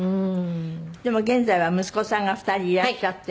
でも現在は息子さんが２人いらっしゃって。